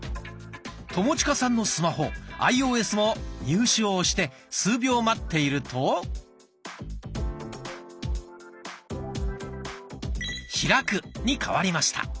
友近さんのスマホアイオーエスも入手を押して数秒待っていると「開く」に変わりました。